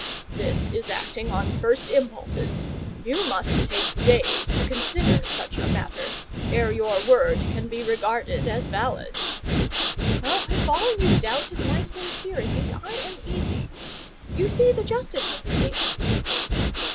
"This is acting on first impulses; you must take days to consider such a matter, ere your word can be regarded as valid." "Oh! if all you doubt is my sincerity, I am easy: you see the justice of the case?"